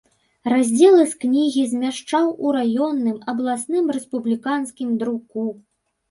Раздзелы з кнігі змяшчаў у раённым, абласным, рэспубліканскім друку.